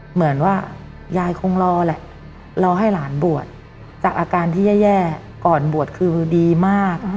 เหมือนว่ายายคงรอแหละรอให้หลานบวชจากอาการที่แย่ก่อนบวชคือดีมาก